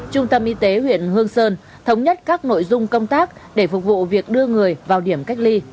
trung tâm y tế huyện hương sơn thống nhất các nội dung công tác để phục vụ việc đưa người vào điểm cách ly